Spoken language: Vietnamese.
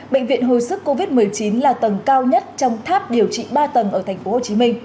bệnh viện hồi sức covid một mươi chín là tầng cao nhất trong tháp điều trị ba tầng ở tp hcm